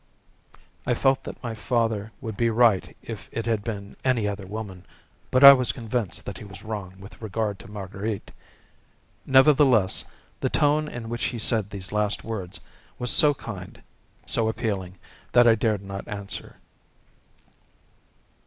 I felt that my father would be right if it had been any other woman, but I was convinced that he was wrong with regard to Marguerite. Nevertheless, the tone in which he said these last words was so kind, so appealing, that I dared not answer.